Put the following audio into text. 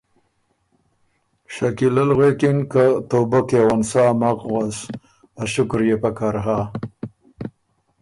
شکیلۀ ل غوېکِن که ”توبۀ کېون سا مک غؤس“ ا شکر يې پکر هۀ